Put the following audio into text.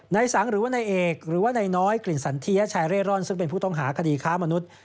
นายสังหรือว่านายเอกหรือว่านายน้อยกลิ่นสันเทียชายเร่ร่อนซึ่งเป็นผู้ต้องหาคดีค้ามนุษย์